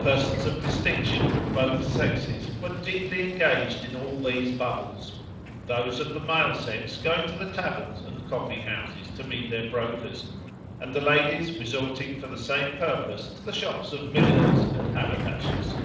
Persons of distinction, of both sexes, were deeply engaged in all these bubbles; those of the male sex going to taverns and coffee houses to meet their brokers, and the ladies resorting for the same purpose to the shops of milliners and haberdashers.